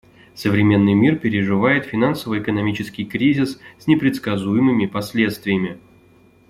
Современный мир переживает финансово-экономический кризис с непредсказуемыми последствиями.